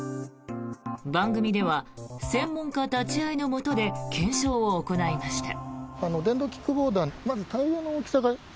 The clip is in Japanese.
番組では専門家立ち会いのもとで検証を行いました。